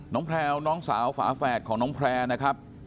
น้องแพร่เอาน้องสาวฝาแฝดของน้องแพร่นะครับ